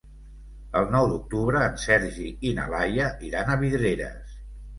El nou d'octubre en Sergi i na Laia iran a Vidreres.